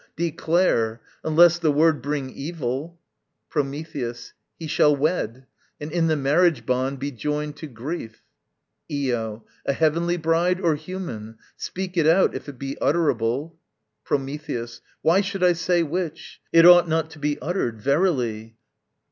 declare: Unless the word bring evil. Prometheus. He shall wed; And in the marriage bond be joined to grief. Io. A heavenly bride or human? Speak it out If it be utterable. Prometheus. Why should I say which? It ought not to be uttered, verily.